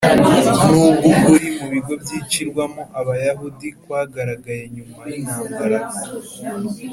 nubwo ukuri mu bigo byicirwagamo abayahudi kwagaragaye nyuma y'intambara